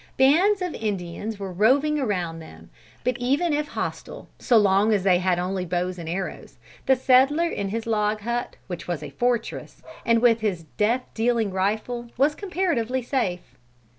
Bands of Indians were roving around them, but even if hostile, so long as they had only bows and arrows, the settler in his log hut, which was a fortress, and with his death dealing rifle, was comparatively safe.